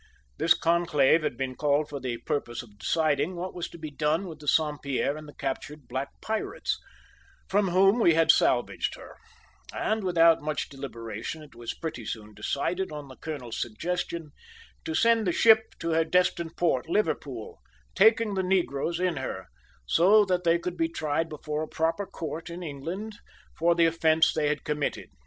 This conclave had been called for the purpose of deciding what was to be done with the Saint Pierre and the captured black pirates, from whom we had salvaged her, and without much deliberation it was pretty soon decided, on the colonel's suggestion, to send the ship to her destined port, Liverpool, taking the negroes in her, so that they could be tried before a proper court in England for the offence they had committed.